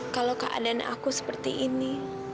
kalau keadaan aku seperti ini